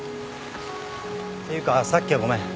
っていうかさっきはごめん。